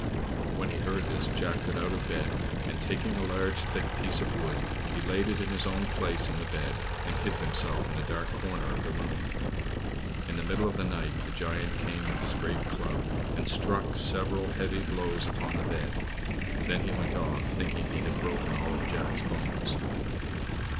When he heard this, Jack got out of bed, and, taking a large, thick piece of wood, he laid it in his own place in the bed, and hid himself in a dark corner of the room. In the middle of the night, the giant came with his great club, and struck several heavy blows upon the bed. Then he went off, thinking he had broken all Jack's bones.